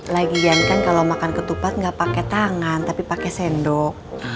lagian kan kalau makan ketupat nggak pakai tangan tapi pakai sendok